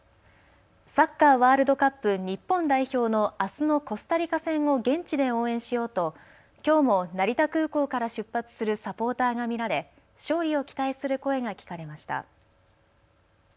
サッカーワールドカップ日本代表のあすのコスタリカ戦を現地で応援しようと、きょうも成田空港から出発するサポーターが見られ勝利を期待する声が聞かれました。